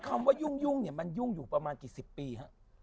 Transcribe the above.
คำว่ายุ่งเนี่ยมันยุ่งอยู่ประมาณกี่สิบปีฮะ